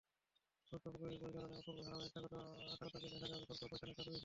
গৌতম কৈরীর পরিচালনায় অপূর্বা ধারাবাহিকে স্বাগতাকে দেখা যাবে করপোরেট প্রতিষ্ঠানের চাকুরে হিসেবে।